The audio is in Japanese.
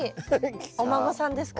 お孫さんですかね？